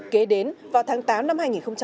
kế đến vào tháng tám năm hai nghìn hai mươi